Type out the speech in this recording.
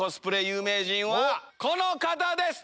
有名人はこの方です！